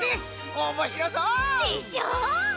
おもしろそう！でしょう！？